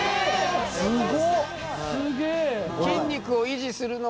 すごっ！